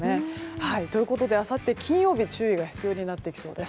ということで、あさって金曜日は注意が必要になりそうです。